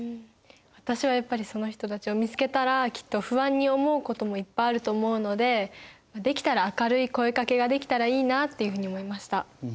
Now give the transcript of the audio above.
私はやっぱりその人たちを見つけたらきっと不安に思うこともいっぱいあると思うのでできたら明るい声かけができたらいいなっていうふうに思いました。